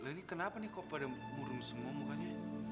lo ini kenapa nih kok pada murung semua mukanya